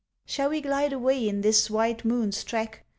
Shall we glide away in this white moon's track?